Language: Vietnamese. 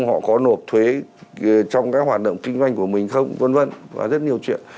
họ có nộp thuế trong các hoạt động kinh doanh của mình không v v và rất nhiều chuyện